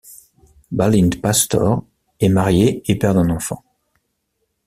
Bálint Pásztor est marié et père d'un enfant.